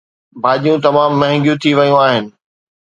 ڀاڄيون تمام مهانگيون ٿي ويون آهن